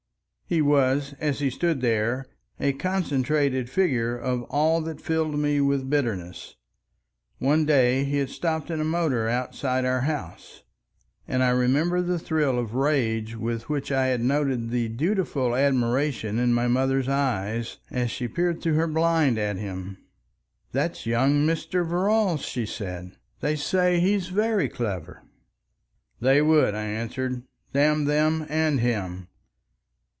He was, as he stood there, a concentrated figure of all that filled me with bitterness. One day he had stopped in a motor outside our house, and I remember the thrill of rage with which I had noted the dutiful admiration in my mother's eyes as she peered through her blind at him. "That's young Mr. Verrall," she said. "They say he's very clever." "They would," I answered. "Damn them and him!"